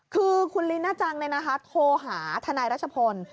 คือคุณลิน่าจังเนี่ยนะคะโทรหาทนายราชพนธ์